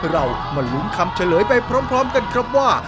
เรามาลุ้นคำเฉลยไปพร้อมกันครับว่า